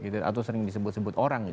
atau sering disebut sebut orang